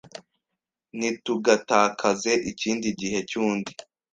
Ntitugatakaze ikindi gihe cyundi.